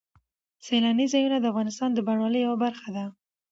سیلاني ځایونه د افغانستان د بڼوالۍ یوه برخه ده.